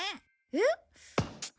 えっ？